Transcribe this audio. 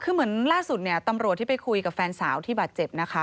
คือเหมือนล่าสุดเนี่ยตำรวจที่ไปคุยกับแฟนสาวที่บาดเจ็บนะคะ